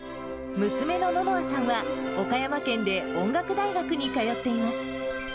娘のののあさんは、岡山県で音楽大学に通っています。